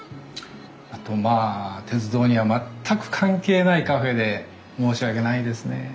あとまあ鉄道には全く関係ないカフェで申し訳ないですね。